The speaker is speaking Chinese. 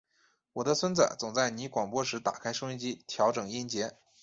我的孙子总在你广播时打开收音机调整音节。